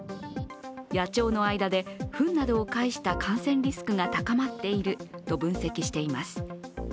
野鳥の間でふんなどを介した感染リスクが高まっていると分析しています。